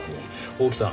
大木さん